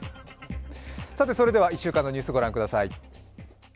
それでは、１週間のニュースを御覧ください。